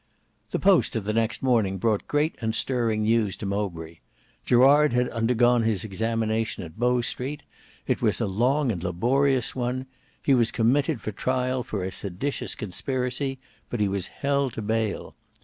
The post of the next morning brought great and stirring news to Mowbray. Gerard had undergone his examination at Bow Street. It was a long and laborious one; he was committed for trial for a seditious conspiracy, but he was held to bail.